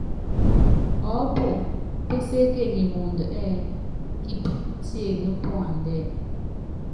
Ɔɔ́pu péséékenyi muundɔ ɛ́ɛ́: Kipílɛ́ tiené puandɛ́.